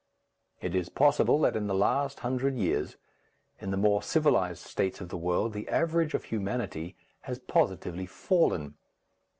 It is possible that in the last hundred years, in the more civilized states of the world, the average of humanity has positively fallen.